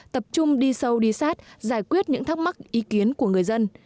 tập trung đi sâu đi sát giải quyết những thắc mắc ý kiến của người dân